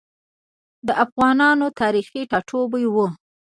د افغانانو تاریخي ټاټوبی و.